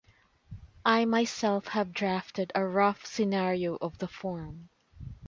I myself have drafted a rough scenario of the form.